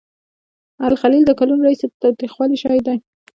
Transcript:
الخلیل د کلونو راهیسې د تاوتریخوالي شاهد دی.